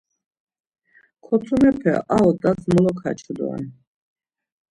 Kotumepe ar odas molokaçu doren.